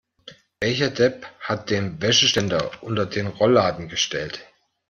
Welcher Depp hat den Wäscheständer unter den Rollladen gestellt?